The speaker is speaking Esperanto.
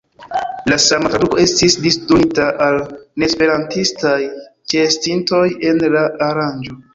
La sama traduko estis disdonita al neesperantistaj ĉeestintoj en la aranĝo.